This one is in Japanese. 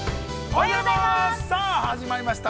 ◆おはようございます。